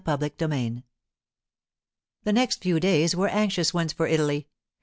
CHAPTER XXII THE next few days were anxious ones for Italy.